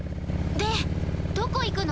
でどこ行くの？